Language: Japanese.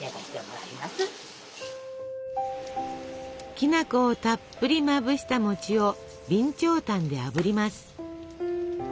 きなこをたっぷりまぶした餅を備長炭であぶります。